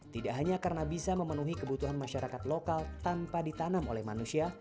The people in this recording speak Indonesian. tidak hanya karena bisa memenuhi kebutuhan masyarakat lokal tanpa ditanam oleh manusia